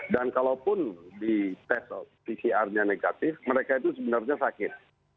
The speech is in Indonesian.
dan kalaupun di tes pcr nya negatif mereka itu sebenarnya sakit